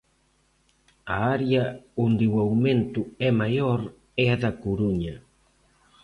A área onde o aumento é maior é a da Coruña.